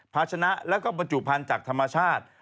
พาชนะแล้วก็ประจุภัณฑ์จากธรรมชาติ